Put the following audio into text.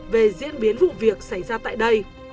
về diễn biến vụ việc xảy ra tại đây